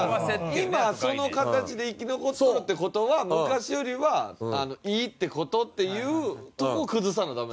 今その形で生き残っとるって事は昔よりはいいって事っていうところを崩さないとダメ。